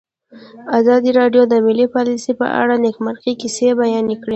ازادي راډیو د مالي پالیسي په اړه د نېکمرغۍ کیسې بیان کړې.